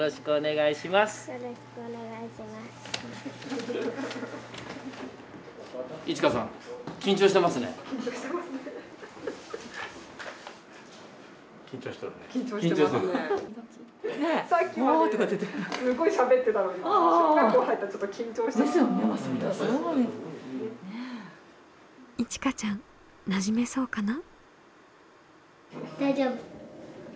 いちかちゃんなじめそうかな？